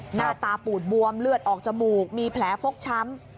หน้าตาปูดบวมเลือดออกจมูกมีแผลฟกช้ำ